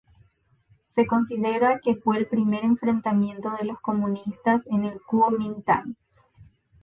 Se considera que fue el primer enfrentamiento de los comunistas con el Kuomintang.